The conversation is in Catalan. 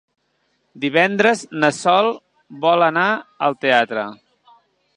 Divendres na Sol vol anar al teatre.